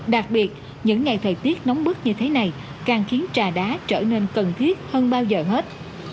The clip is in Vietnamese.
đặc biệt những ngày thời tiết nóng bức như thế này càng khiến trà đá trở nên cần thiết hơn bao giờ hết